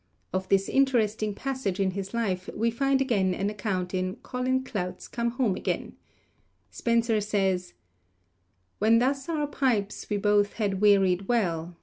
Of this interesting passage in his life we find again an account in Colin Clout's come home again. Spencer says: When thus our pipes we both had wearied well